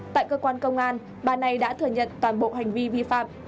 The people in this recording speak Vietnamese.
tại cơ quan công an bà này đã thừa nhận toàn bộ hành vi vi phạm